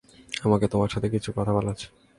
আমার তোমার সাথে কিছু কথা বলার আছে।